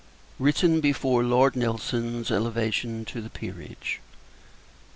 [_Written before LORD NELSON'S Elevation to the Peerage.